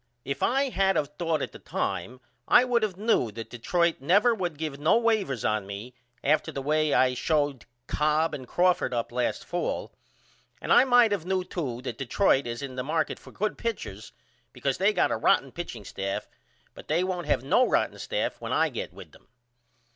If I had of thought at the time I would of knew that Detroit never would give no wavers on me after the way I showed Cobb and Crawford up last fall and I might of knew too that Detroit is in the market for good pitchers because they got a rotten pitching staff but they won't have no rotten staff when I get with them.